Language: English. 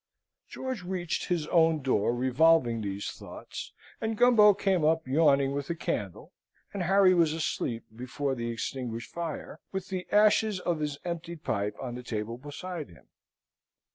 George reached his own door revolving these thoughts, and Gumbo came up yawning with a candle, and Harry was asleep before the extinguished fire, with the ashes of his emptied pipe on the table beside him.